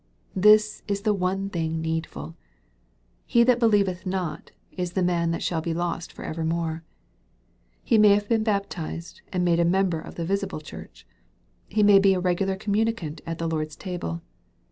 This is the one thing needful. " He that believeth not" is the man that shall be lost for evermore. He may have been baptized, and made a member of the visible church. He may be a regular communicant at the Lord's Table.